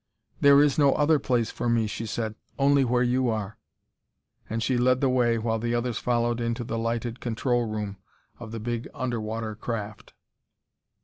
"There is no other place for me," she said; "only where you are." And she led the way while the others followed into the lighted control room of the big under water craft.